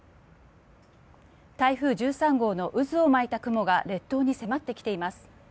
台風１３号の渦を巻いた雲が列島に迫ってきています。